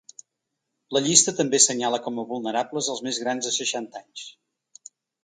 La llista també assenyala com a vulnerables els més grans de seixanta anys.